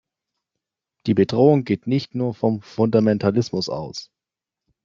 Die Bedrohung geht nicht nur vom Fundamentalismus aus.